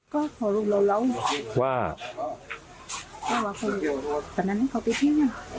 ก็พอรู้แล้วว่าตอนนั้นเขาไปเที่ยวน่ะ